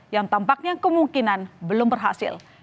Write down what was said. yang tampaknya kemungkinan belum berhasil